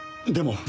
でも。